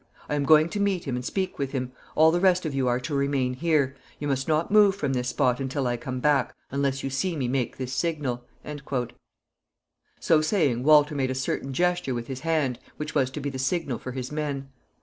"I am going to meet him and speak with him. All the rest of you are to remain here. You must not move from this spot until I come back, unless you see me make this signal." So saying, Walter made a certain gesture with his hand, which was to be the signal for his men.